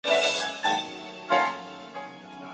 电影摄影机是一种摄影相机。